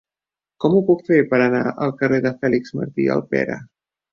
Com ho puc fer per anar al carrer de Fèlix Martí Alpera?